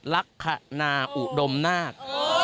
รักขนาอุดมนาฬ